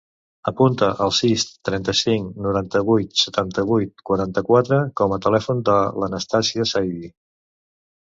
Apunta el sis, trenta-cinc, noranta-vuit, setanta-vuit, quaranta-quatre com a telèfon de l'Anastàsia Saidi.